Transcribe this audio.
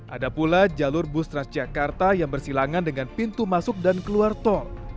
ada pula jalur bus transjakarta yang bersilangan dengan pintu masuk dan keluar tol